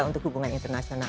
untuk hubungan internasional